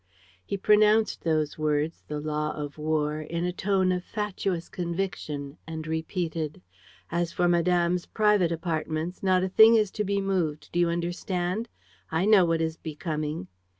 "He pronounced those words, 'The law of war,' in a tone of fatuous conviction and repeated: "'As for madame's private apartments, not a thing is to be moved. Do you understand? I know what is becoming.'